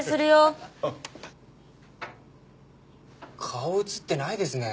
顔映ってないですね。